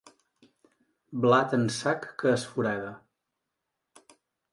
Blat en sac que es forada.